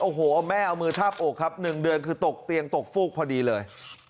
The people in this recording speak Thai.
โอ้โหแม่เอามือทาบอกครับ๑เดือนคือตกเตียงตกฟูกพอดีเลย